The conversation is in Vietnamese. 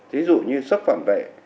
thí dụ như sức phản vệ